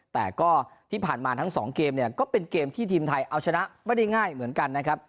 แต่ก็ที่ผ่านมาทั้งสองเกมเนี่ยก็เป็นเกมที่ทีมไทยเอาชนะไม่ได้ง่ายเหมือนกันนะครับ